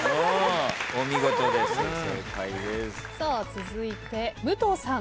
続いて武藤さん。